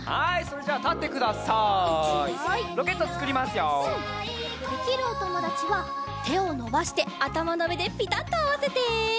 できるおともだちはてをのばしてあたまのうえでピタッとあわせて。